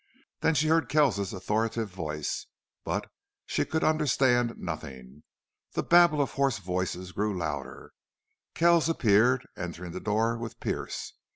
Then she heard Kells's authoritative voice, but she could understand nothing. The babel of hoarse voices grew louder. Kells appeared, entering the door with Pearce.